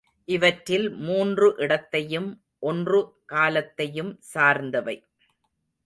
இவற்றில் மூன்று இடத்தையும், ஒன்று காலத்தையும் சார்ந்தவை.